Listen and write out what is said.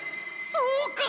そうか！